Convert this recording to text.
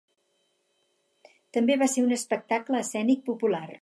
També va ser un espectacle escènic popular.